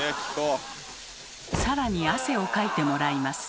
更に汗をかいてもらいます。